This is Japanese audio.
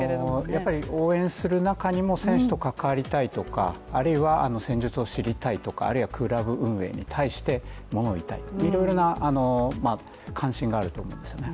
応援する中にも選手と関わりたいとかあるいは戦術を知りたいとかあるいはクラブ運営に対してものを言いたい、いろいろな関心があると思うんですよね。